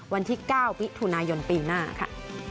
วันที่๙มิถุนายนปีหน้าค่ะ